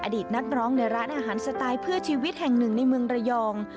อดีตนักร้องในร้านอาหารสไตล์เพื่อชีวิตแห่งหนึ่งในเมืองระยอง